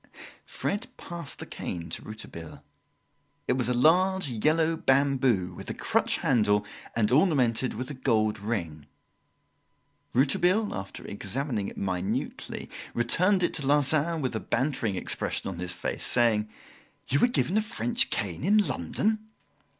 Fred passed the cane to Rouletabille. It was a large yellow bamboo with a crutch handle and ornamented with a gold ring. Rouletabille, after examining it minutely, returned it to Larsan, with a bantering expression on his face, saying: "You were given a French cane in London!"